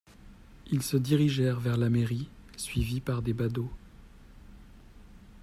Ils se dirigèrent vers la mairie, suivis par des badauds.